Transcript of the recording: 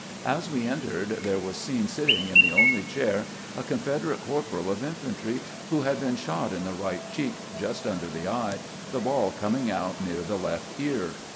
As we entered, there was seen sitting in tbe only chair a Confederate corporal of infantry who had been shot in tbe right cheek just under the eye, the ball coming out near the left ear.